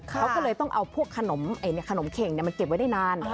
เขาก็เลยต้องเอาพวกขนมเข่งมาเก็บไว้ได้นาน